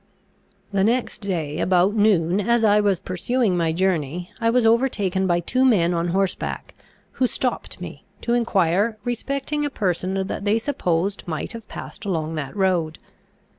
The next day about noon, as I was pursuing my journey, I was overtaken by two men on horseback, who stopped me, to enquire respecting a person that they supposed might have passed along that road.